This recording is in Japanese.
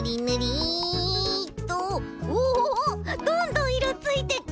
おどんどんいろついてく。